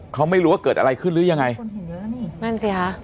เขาไม่รู้ว่าเกิดอะไรขึ้นหรือยังไงคนเห็นเยอะนี่นั่นสิค่ะ